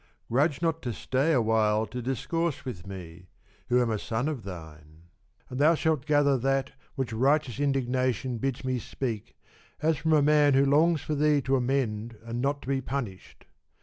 grudge not to stay awhile to discourse with me, who am a son of thine; and thou shalt gather that which righteous indignation bids me speak, as from a man who longs for thee to amend and to be punished.